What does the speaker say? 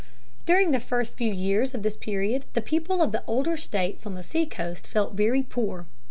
During the first few years of this period the people of the older states on the seacoast felt very poor.